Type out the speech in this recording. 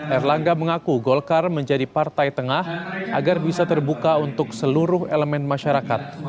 erlangga mengaku golkar menjadi partai tengah agar bisa terbuka untuk seluruh elemen masyarakat